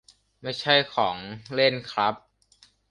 ไม่ใช่ของเล่นครับ